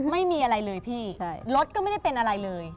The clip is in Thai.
ไม่มีอะไรเลยพี่รถก็ไม่ได้เป็นอะไรเลย